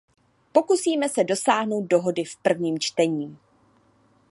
Pokusíme se dosáhnout dohody v prvním čtení.